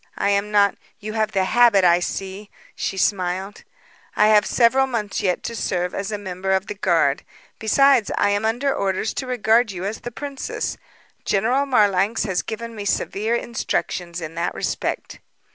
I am not " "You have the habit, I see," she smiled. "I have several months yet to serve as a member of the guard. Besides, I am under orders to regard you as the princess. General Marlanx has given me severe instructions in that respect."